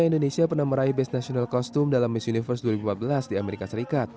indonesia pernah meraih best national costum dalam miss universe dua ribu empat belas di amerika serikat